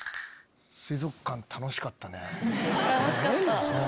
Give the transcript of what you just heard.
水族館楽しかったね。